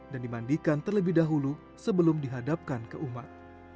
dan dimandikan terlebih dahulu sebelum dihadapkan ke umat